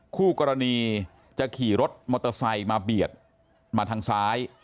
คู่กรณีจะขี่รถมอเตอร์ไซค์มาเบียดมาทางซ้าย